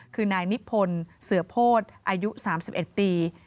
คือนายนิพนธ์เสือโพธิอายุ๓๑ปี